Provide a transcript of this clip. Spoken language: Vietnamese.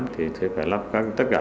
thì phải lắp tất cả